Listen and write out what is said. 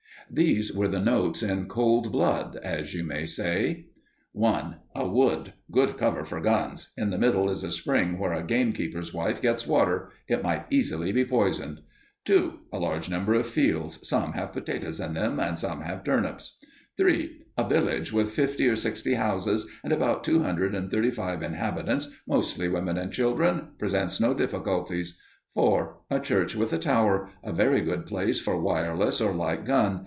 These were the notes in cold blood, as you may say: 1. _A wood. Good cover for guns. In the middle is a spring where a gamekeeper's wife gets water. It might easily be poisoned._ 2. A large number of fields. Some have potatoes in them and some have turnips. 3. _A village with fifty or sixty houses and about two hundred and thirty five inhabitants, mostly women and children. Presents no difficulties._ 4. _A church with a tower. A very good place for wireless or light gun.